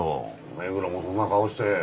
目黒もそんな顔して。